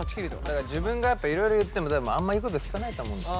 だから自分がやっぱいろいろ言ってもあんま言うこと聞かないと思うんですよ。